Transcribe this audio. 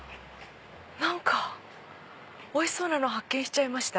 何かおいしそうなの発見しちゃいました。